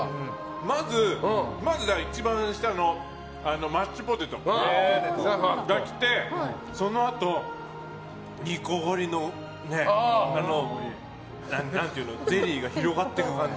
まず、一番下のマッシュポテトが来てそのあと、煮こごりのゼリーが広がっていく感じ